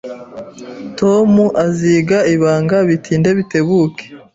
Tom aziga ibanga bitinde bitebuke